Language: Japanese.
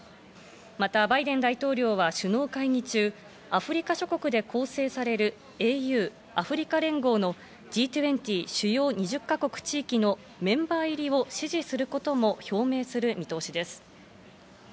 また、バイデン大統領は首脳会議中、アフリカ諸国で構成されるＡＵ＝アフリカ連合のＧ２０＝主要２０か国・地域のメンバー入りを支持することも表明する見通しです。